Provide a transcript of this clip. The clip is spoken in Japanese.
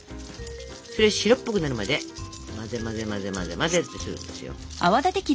それ白っぽくなるまで混ぜ混ぜ混ぜ混ぜ混ぜってするんですよ。